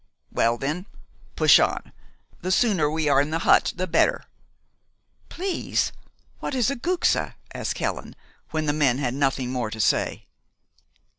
"Well, then, push on. The sooner we are in the hut the better." "Please, what is a guxe?" asked Helen, when the men had nothing more to say.